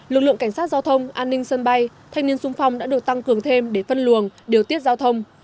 lực lượng cảnh sát giao thông an ninh sân bay thanh niên sung phong đã được tăng cường thêm để phân luồng điều tiết giao thông